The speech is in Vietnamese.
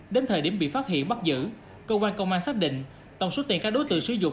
đến thời điểm bị phát hiện bắt giữ cơ quan công an xác định tổng số tiền các đối tượng sử dụng